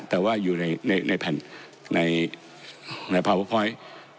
แต่ว่าอยู่ในแผ่นในพาเวอร์พอยต์